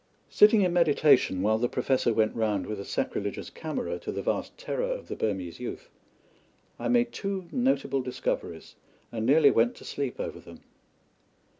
Sitting in meditation while the Professor went round with a sacrilegious camera, to the vast terror of the Burmese youth, I made two notable discoveries and nearly went to sleep over them.